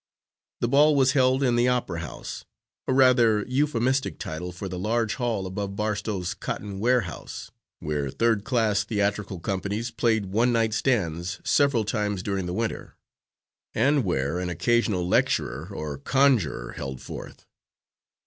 The ball was held in the Opera House, a rather euphemistic title for the large hall above Barstow's cotton warehouse, where third class theatrical companies played one night stands several times during the winter, and where an occasional lecturer or conjurer held forth.